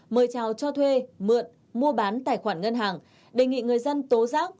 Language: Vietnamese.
mời chào cho thuê mượn mua bán tài khoản ngân hàng đề nghị người dân tố giác